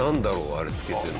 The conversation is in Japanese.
あれ付けてるの。